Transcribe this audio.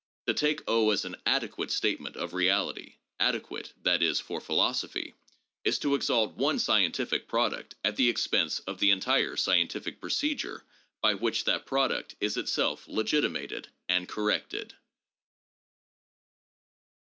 To take as an adequate statement of reality (adequate, that is, for philosophy) is to exalt one scientific product at the ex pense of the entire scientific procedure by which that product is itself legitimated and corrected.